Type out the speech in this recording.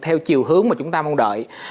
theo chiều hướng mà chúng ta mong đợi